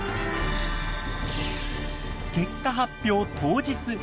結果発表当日。